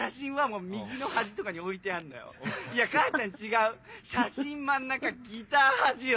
いや母ちゃん違う写真真ん中ギター端よ！